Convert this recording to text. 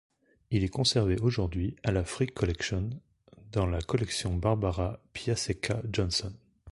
Il est conservé aujourd'hui à la Frick Collection, dans la collection Barbara Piasecka Johnson.